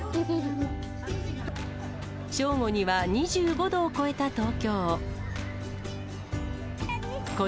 正午には２５度を超えた東京。